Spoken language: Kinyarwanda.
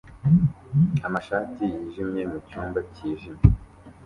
amashati yijimye mucyumba cyijimye.